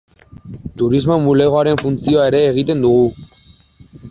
Turismo bulegoaren funtzioa ere egiten dugu.